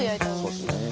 そうですね。